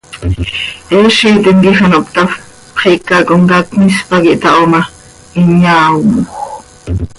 Heezitim quij ano hptafp, xiica comcaac cmis pac ihtaho ma, hin yaaomoj.